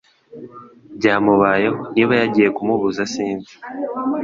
byamubayeho niba yagiye kumubuza sinzi